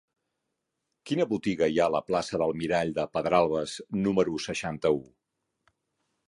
Quina botiga hi ha a la plaça del Mirall de Pedralbes número seixanta-u?